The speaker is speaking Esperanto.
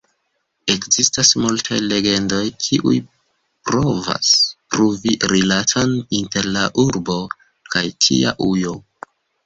Ekzistas multaj legendoj, kiuj provas pruvi rilaton inter la urbo kaj tia ujo.